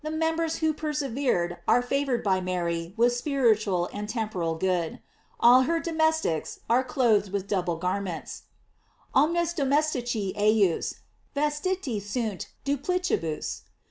667 members who persevere are favored by Mary with spiritual and temporal good: All her domestics are clothed with double garments: "Omnes domestici ejus vestiti sunt duplicibus."